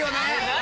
何？